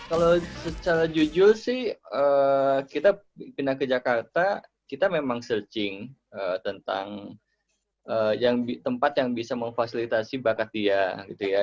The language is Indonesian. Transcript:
kalau secara jujur sih kita pindah ke jakarta kita memang searching tentang tempat yang bisa memfasilitasi bakat dia gitu ya